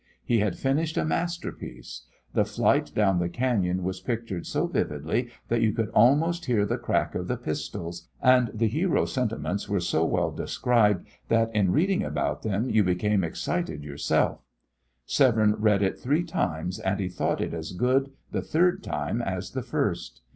He had finished a masterpiece. The flight down the cañon was pictured so vividly that you could almost hear the crack of the pistols, and the hero's sentiments were so well described that in reading about them you became excited yourself. Severne read it three times, and he thought it as good the third time as the first.